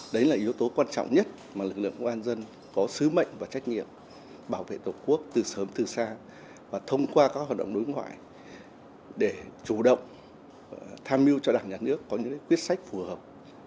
đấy là yếu tố quan trọng nhất mà lực lượng công an dân có sứ mệnh và trách nhiệm bảo vệ tổ quốc từ sớm từ xa và thông qua các hoạt động đối ngoại để chủ động tham mưu cho đảng nhà nước có những quyết sách phù hợp